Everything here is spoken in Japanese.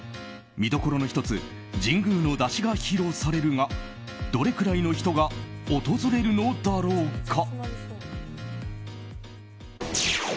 見どころの１つ神宮の山車が披露されるがどれくらいの人が訪れるのだろうか。